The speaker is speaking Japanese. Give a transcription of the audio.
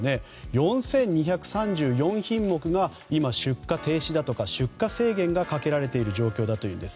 ４２３４品目が今出荷停止だとか出荷制限がかけられている状況だというんです。